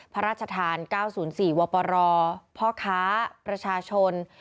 พระราชทาน๙๐๔วปรพ่อค้าประชาชน